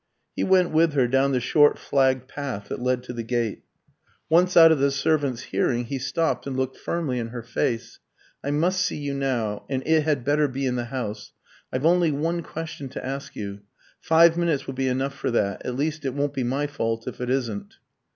He went with her down the short flagged path that led to the gate. Once out of the servant's hearing, he stopped, and looked firmly in her face. "I must see you now, and it had better be in the house. I've only one question to ask you. Five minutes will be enough for that at least it won't be my fault if it isn't."